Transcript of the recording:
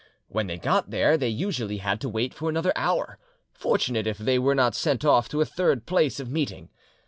When they got there, they usually had to wait for another hour, fortunate if they were not sent off to a third place of meeting.